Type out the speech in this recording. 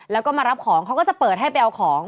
แล้วก็มารับของเขาก็จะเปิดให้ไปเอาของ